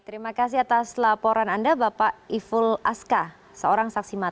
terima kasih atas laporan anda bapak iful aska seorang saksi mata